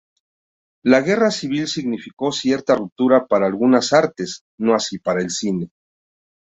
La Guerra Civil significó cierta ruptura para algunas artes, no así para el cine.